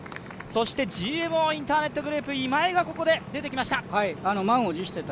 ＧＭＯインターネットグループ今江がここで出てきました。